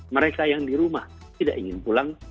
mereka yang di rumah tidak ingin pulang